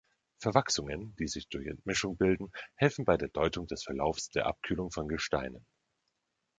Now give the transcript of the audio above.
Verwachsungen, die sich durch Entmischung bilden, helfen bei der Deutung des Verlaufs der Abkühlung von Gesteinen.